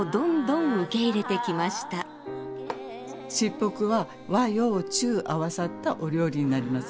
卓袱は和洋中合わさったお料理になります。